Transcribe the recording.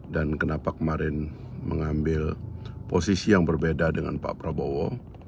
dan kenapa kemarin mengambil posisi yang berbeda dengan pak prabowo